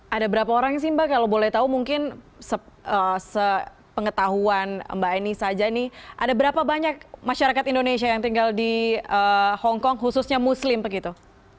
ada berapa orang sih mbak kalau boleh tahu mungkin sepengetahuan mbak eni saja nih ada berapa banyak masyarakat indonesia yang tinggal di hongkong khususnya muslim begitu